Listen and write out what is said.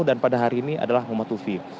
dan pada hari ini adalah momotufi